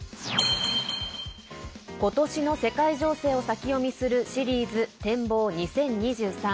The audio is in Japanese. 今年の世界情勢を先読みするシリーズ展望２０２３。